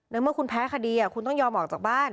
เมื่อคุณแพ้คดีคุณต้องยอมออกจากบ้าน